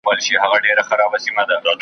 نن مي هغه زیارت په کاڼو ولم .